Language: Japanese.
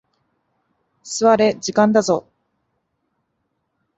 座れ、時間だぞ。